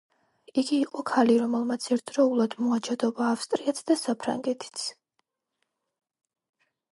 იგი იყო ქალი, რომელმაც ერთდროულად მოაჯადოვა ავსტრიაც და საფრანგეთიც.